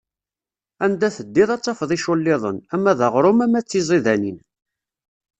Anda teddiḍ, ad tafeḍ iculliḍen, ama d aɣrum ama d tiẓidanin.